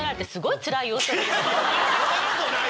そんなことない！